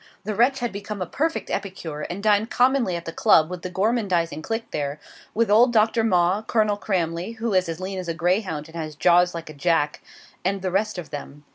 The wretch had become a perfect epicure, and dined commonly at the Club with the gormandising clique there; with old Doctor Maw, Colonel Cramley (who is as lean as a greyhound and has jaws like a jack), and the rest of them.